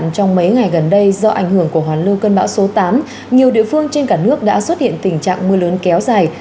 trong mấy ngày gần đây do ảnh hưởng của hoàn lưu cơn bão số tám nhiều địa phương trên cả nước đã xuất hiện tình trạng mưa lớn kéo dài